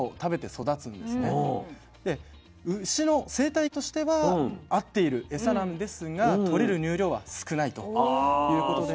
で牛の生態としては合っているエサなんですがとれる乳量は少ないということで。